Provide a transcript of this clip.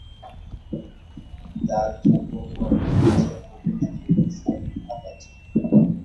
তার ছোট বোন হচ্ছেন অভিনেত্রী শনি আতাজ।